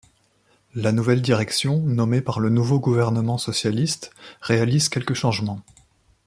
La nouvelle direction, nommée par le nouveau gouvernement socialiste, réalise quelques changements.